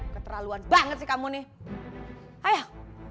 keterlaluan banget sih kamu nih ayo